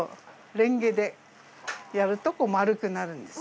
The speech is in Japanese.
レンゲでやると丸くなるんです。